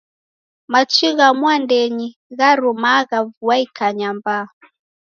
Machi gha mwadenyi gharumagha vua ikanya mbaa.